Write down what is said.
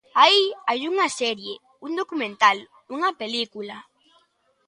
Aí hai unha serie, un documental, unha película.